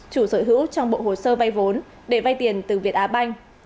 chủ sở hữu trong bộ hồ sơ vay vốn để vay tiền từ việt á banh